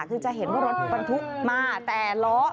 คือจะเห็นว่ารถบรรทุกมาแต่ล้อ